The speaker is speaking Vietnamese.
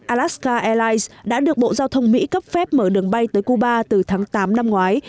alaska airlines đã được bộ giao thông mỹ cấp phép mở đường bay tới cuba từ tháng tám năm ngoái